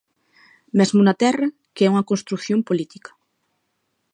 Mesmo na Terra, que é unha construción política.